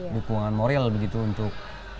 dukungan moral begitu untuk